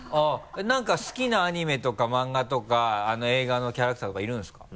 何か好きなアニメとか漫画とか映画のキャラクターとかいるんですか？